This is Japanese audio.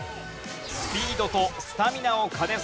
スピードとスタミナを兼ね備えた元狩